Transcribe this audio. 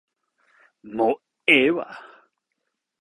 もういいよ